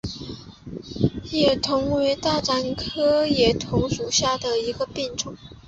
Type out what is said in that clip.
野桐为大戟科野桐属下的一个变种。